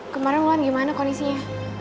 kemaren luan gimana kondisinya